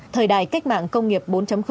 thời đại cách mạng công nghiệp bốn